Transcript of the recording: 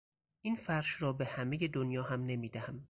این فرش را به همهی دنیا هم نمیدهم!